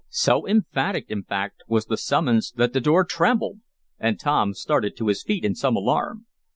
So emphatic, in fact, was the summons that the door trembled, and Tom started to his feet in some alarm.